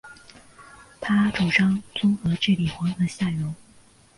他主张综合治理黄河下游。